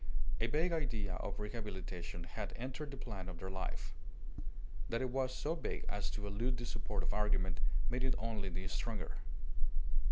A vague idea of rehabilitation had entered the plan of their life. That it was so vague as to elude the support of argument made it only the stronger.